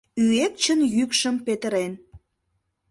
Ӱэкчын йӱкшым петырен